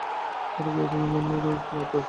তাঁরা গিয়ে উঠলেন গেণ্ডারিয়ার এক ফ্ল্যাটবাড়িতে।